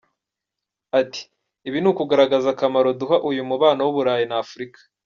Ati “Ibi ni ukugaragaza akamaro duha uyu mubano w’u Burayi na Afurika.